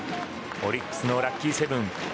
オリックスのラッキーセブン。